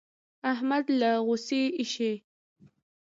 احمد له غوسې اېشي.